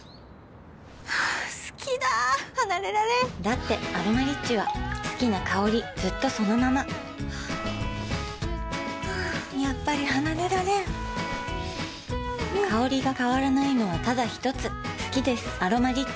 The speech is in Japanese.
好きだ離れられんだって「アロマリッチ」は好きな香りずっとそのままやっぱり離れられん香りが変わらないのはただひとつ好きです「アロマリッチ」